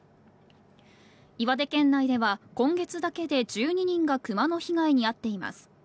岩手県内では今月だけで１２人がクマの被害にあっています。